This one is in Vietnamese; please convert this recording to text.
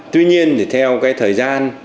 tuy nhiên thì theo cái thời gian